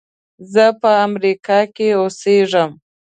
زه په امریکا کې اوسېږم.